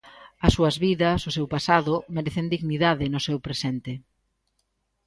As súas vidas, o seu pasado, merecen dignidade no seu presente.